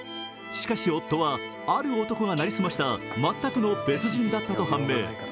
しかし夫は「ある男」が成り済ました全くの別人だったと判明。